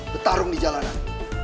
bertarung di jalanan